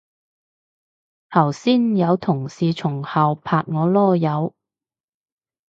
頭先有同事從後拍我籮柚